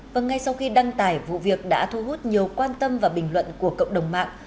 và ngay sau khi đăng tải vụ việc đã thu hút nhiều quan tâm và bình luận của cộng đồng mạng